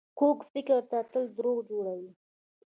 کوږ فکر تل دروغ جوړوي